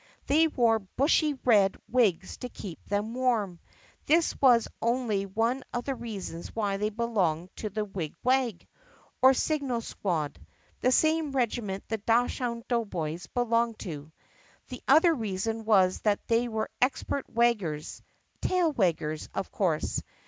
They wore bushy red wigs to keep them warm. This was only one of the reasons why they belonged to the wigwag, or signal squad (the same regiment the Dachshund Doughboys belonged to) . The other reason was that they were expert wag gers — tail waggers, of course.